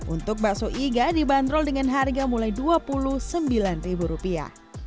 untuk bakso iga dibanderol dengan harga mulai dua puluh sembilan ribu rupiah